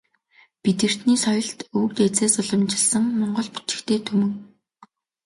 Бидэртний соёлт өвөг дээдсээс уламжилсан монгол бичигтэй түмэн.